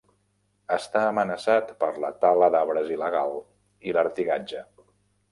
Està amenaçat per la tala d'arbres il·legal i l'artigatge.